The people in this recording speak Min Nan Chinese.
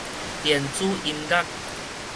電子音樂